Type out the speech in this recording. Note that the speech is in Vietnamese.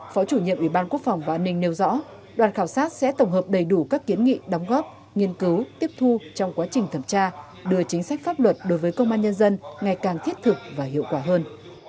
phó chủ nhiệm ủy ban quốc phòng và an ninh nêu rõ đoàn khảo sát sẽ tổng hợp đầy đủ các kiến nghị đóng góp nghiên cứu tiếp thu trong quá trình thẩm tra đưa chính sách pháp luật đối với công an nhân dân ngày càng thiết thực và hiệu quả hơn